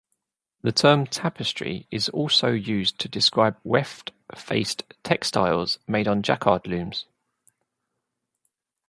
The term tapestry is also used to describe weft-faced textiles made on Jacquard looms.